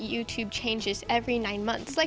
youtube berubah setiap sembilan bulan